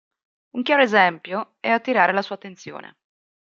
Un chiaro esempio è attirare la sua attenzione.